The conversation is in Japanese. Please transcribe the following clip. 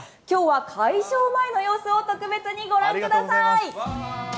きょうは開場前の様子を特別にご覧ください。